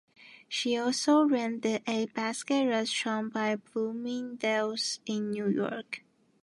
She also ran the Egg Basket restaurant by Bloomingdale's in New York.